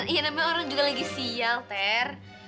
iya namanya orang juga lagi siang ter